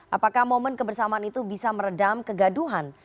apakah momen kebersamaan itu bisa meredam kegaduhan